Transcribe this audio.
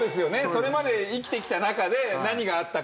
それまで生きてきた中で何があったかとかね。